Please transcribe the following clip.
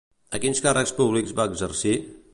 A quins càrrecs públics va exercir?